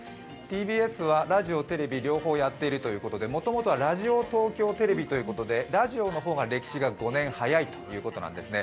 ＴＢＳはラジオ、テレビ、両方やっているということでもともとはラジオ東京テレビということでラジオの方が歴史が５年早いということなんですね。